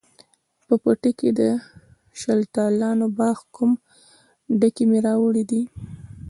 په پټي کښې د شلتالانو باغ کوم، ډکي مې راوړي دي